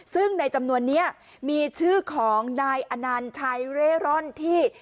ซึ่งในจำนวนนี้มีชื่อของนายอนัญชัยเร่ร่อนที่